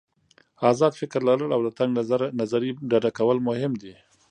آزاد فکر لرل او له تنګ نظري ډډه کول مهم دي.